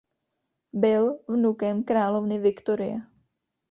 Byl vnukem královny Viktorie.